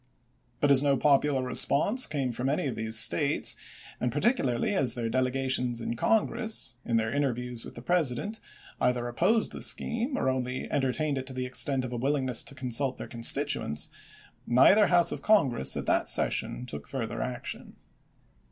But as no popular response came from any of these States, and particularly as their delegations in Congress, in their interviews with the President, either opposed the scheme or only entertained it to the extent of a willingness to consult their constit uents, neither House of Congress at that session took further action.